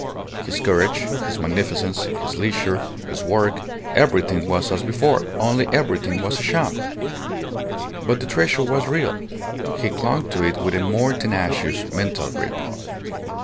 His courage, his magnificence, his leisure, his work, everything was as before, only everything was a sham. But the treasure was real. He clung to it with a more tenacious, mental grip.